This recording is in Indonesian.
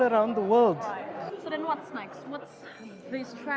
dan anda dapat berbagi dengan orang di seluruh dunia